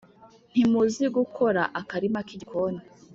ntimuzi gukora akarima k’igikoni